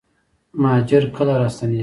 مهاجر کله راستنیږي؟